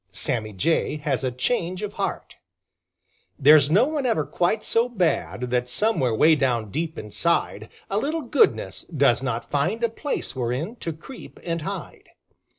SAMMY JAY HAS A CHANGE OF HEART There's no one ever quite so bad That somewhere way down deep inside A little goodness does not find A place wherein to creep and hide.